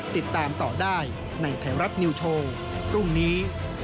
ติดตามต่อได้ในไทยรัฐนิวโชว์พรุ่งนี้